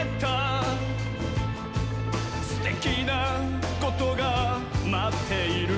「すてきなことがまっている」